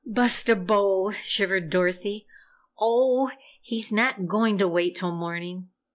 "Bustabo!" shivered Dorothy. "Oh he's not going to wait till morning!